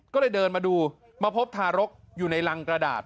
ก็เลยเดินมาดูมาพบทารกอยู่ในรังกระดาษ